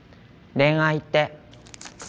恋愛って。